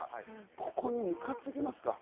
ここに向かってけますか？